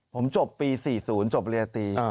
ผมจบปี๔๐จบเรียตี